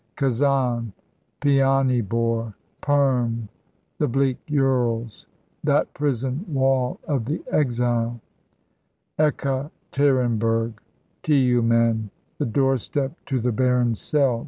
"Kazan, Pianybor, Perm, the bleak Urals, that prison wall of the exile; Ekaterinburg, Tiumen, the doorstep to the barren cell.